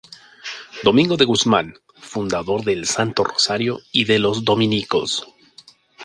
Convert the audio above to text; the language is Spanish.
Domingo de Guzmán, fundador del Santo Rosario y de los dominicos.